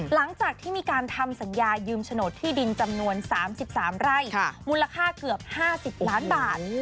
หลังจากที่มีการทำสัญญายืมโฉนดที่ดินจำนวน๓๓ไร่มูลค่าเกือบ๕๐ล้านบาท